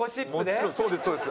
もちろんそうですそうです。